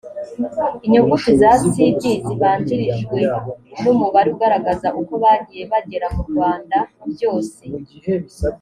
inyuguti za cd zibanjirijwe n umubare ugaragaza uko bagiye bagera mu rwanda byose